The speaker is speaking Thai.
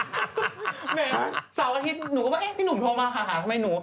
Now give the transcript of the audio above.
เนี่ยเสาร์อาทิตย์หนูก็บอกว่าเอ๊ะพี่หนูโทรมาค่ะทำไมหนู